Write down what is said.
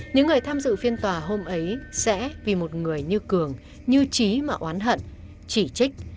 những người tham dự phiên tòa hôm ấy sẽ vì một người như cường như trí mà oán hận chỉ trích